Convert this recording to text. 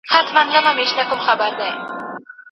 ممکن په مختلفو عصبي يا نورو ناروغيو مبتلا سي.